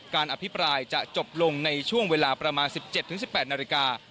อภิปรายจะจบลงในช่วงเวลาประมาณ๑๗๑๘นาฬิกา